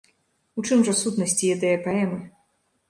У чым жа сутнасць і ідэя паэмы?